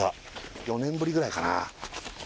４年ぶりぐらいかな